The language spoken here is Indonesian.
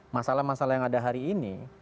masalah masalah yang ada hari ini